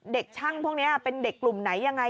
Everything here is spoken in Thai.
เด็กช่างพวกนี้เป็นเด็กกลุ่มไหนยังไง